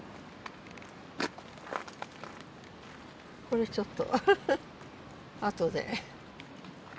これちょっと後で。